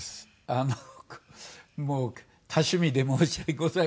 あのもう多趣味で申し訳ございません。